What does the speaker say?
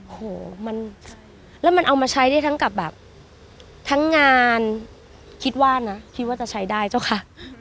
โอ้โหมันแล้วมันเอามาใช้ได้ทั้งกับแบบทั้งงานคิดว่านะคิดว่าจะใช้ได้เจ้าคะ